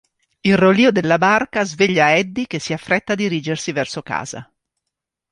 Il rollio della barca sveglia Eddie che si affretta a dirigersi verso casa.